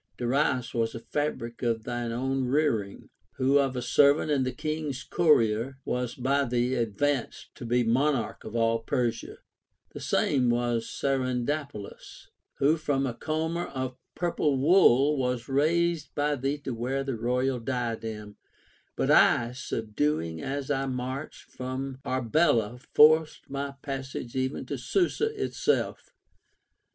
Darius was a fabric of thy own rearing, who of a ser vant and the king's courier was by thee advanced to be mon arch of all Persia. The same was Sardanapalus, Λνΐιο from a comber of purple Λνοοΐ was raised by thee to wear the * II. IX. 325. 476 OF THE FORTUNE OR VIRTUE royal diadem. But I,• subduing as I marched, from Arbela forced my passage even to Susa itself.